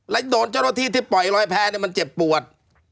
และโดนเจ้าหน้าที่ที่ปล่อยลอยแพ้มันเจ็บปวด